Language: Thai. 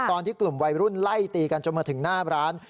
ตอนที่กลุ่มวัยรุ่นไล่ตีกันจนมาถึงหน้าร้าน